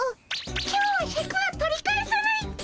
今日はシャクは取り返さないっピ。